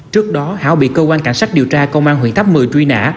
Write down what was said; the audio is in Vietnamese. trước đó hảo bị cơ quan cảnh sát điều tra công an huyện tháp mười truy nã